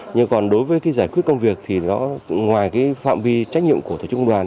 nhưng còn đối với cái giải quyết công việc thì nó ngoài cái phạm vi trách nhiệm của tổ chức công đoàn